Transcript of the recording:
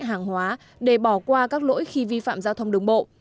hoạt động hàng hóa để bỏ qua các lỗi khi vi phạm giao thông đường bộ